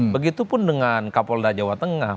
begitupun dengan kapolda jawa tengah